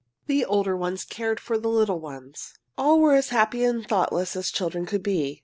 The older ones cared for the little ones. All were as happy and thoughtless as children could be.